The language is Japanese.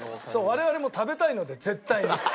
我々も食べたいので絶対に。